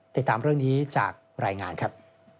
ติดตามเรื่องนี้จากรายงานครับ